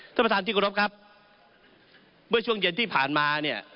ท่านประธานที่กรบครับเมื่อช่วงเย็นที่ผ่านมาเนี่ย